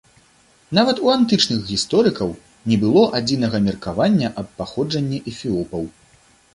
Нават у антычных гісторыкаў не было адзінага меркавання аб паходжанні эфіопаў.